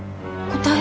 答え。